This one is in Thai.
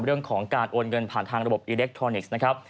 เรื่องของการโอนเงินผ่านทางระบบอิเล็กทรอนิกส์นะครับ